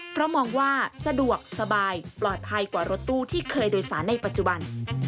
เพราะมองว่าสะดวกสบายปลอดภัยกว่ารถตู้ที่เคยโดยสารในปัจจุบัน